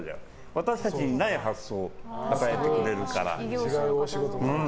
私たちにない発想を与えてくれるから。